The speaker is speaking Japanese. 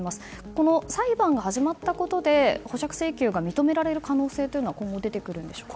この裁判が始まったことで保釈請求が認められる可能性というのは今後、出てくるんでしょうか。